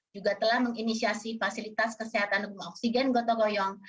juga telah menginisiasi fasilitas kesehatan rumah oksigen goto goyong